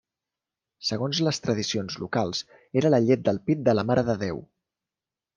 Segons les tradicions locals era la llet del pit de la Mare de Déu.